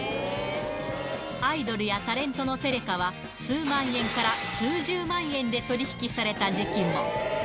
アイドルやタレントのテレカは、数万円から数十万円で取り引きされた時期も。